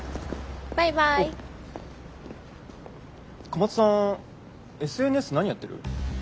小松さんＳＮＳ何やってる？